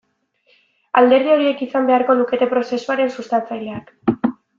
Alderdi horiek izan beharko lukete prozesuaren sustatzaileak.